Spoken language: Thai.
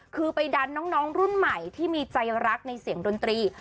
คือไปดันน้องรุ่นใหม่ที่มีใจรักในเสียงดนตรี